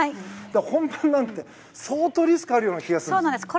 だから、本番なんて相当リスクがあるような気がするんですけど。